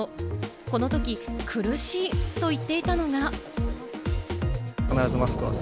このとき、苦しいと言っていたのが。